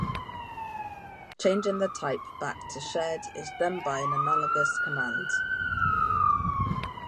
Changing the type back to shared is done by an analogous command.